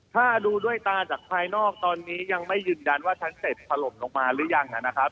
ถ้าดูด้วยตาจากภายนอกตอนนี้ยังไม่ยืนยันว่าชั้น๗ถล่มลงมาหรือยังนะครับ